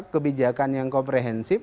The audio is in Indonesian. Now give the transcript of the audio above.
kebijakan yang komprehensif